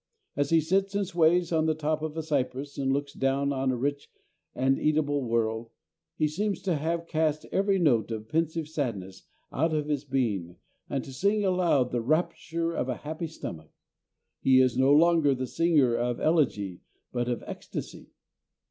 As he sits and sways on the top of a cypress and looks down on a rich and eatable world, he seems to have cast every note of pensive sadness out of his being and to sing aloud the rapture of a happy stomach. He is no longer the singer of elegy but of ecstasy.